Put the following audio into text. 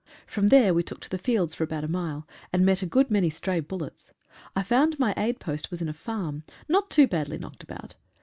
From there we took to the fields for about a mile, and met a good many stray bul lets. I found my aid post was in a farm, not too badly knocked about.